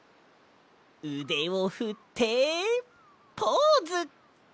うでをふってポーズ！